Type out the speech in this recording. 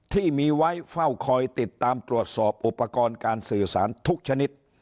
ที่มีไว้เฝ้าคอยติดตามตรวจสอบอุปกรณ์การสื่อสารทุกชนิด